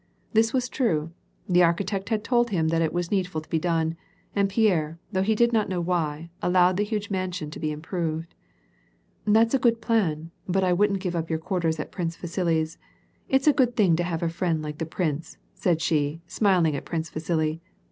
This was true ; the architect had told him that it was needful to be done, and Pierre, though he did not know why, allowed the huge mansion to be improved. " That's a good plan, but I wouldn't give up your quarters at Prince Vasili's. It is a good thing to have a friend like the prince," said she, smiling at Prince Vjusili.